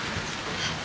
はい。